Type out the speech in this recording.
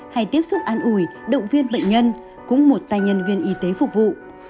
hay tiếp xúc an ủi động viên bệnh nhân cúng một tài nhân viên y tế phục vụ